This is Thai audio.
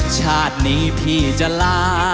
ชาตินี้พี่จะลา